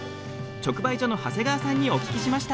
直売所の長谷川さんにお聞きしました。